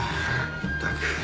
ったく。